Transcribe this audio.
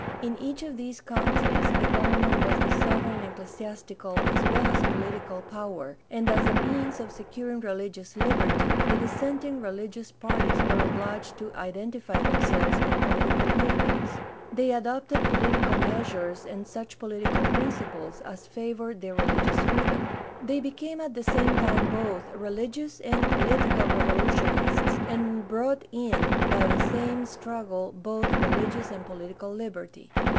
In each of these countries the government was the sovereign ecclesiastical as well as pohtical power, and as a means of securing religious liberty the dis senting religious parties were obliged to identify themselves with political movements. They adopted political measures and such political principles as favored their religious free dom. They became at the same time both religious and political revolutionists and brought in by the same struggle both religious and political liberty.